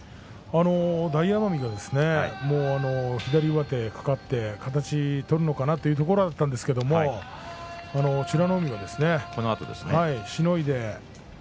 大奄美、左上手かかって形を取るのかなというところだったんですが美ノ海は、しのいで。